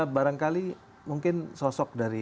barangkali mungkin sosok dari